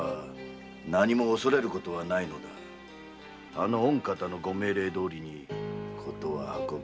あの「御方」のご命令どおりに事は運ぶ。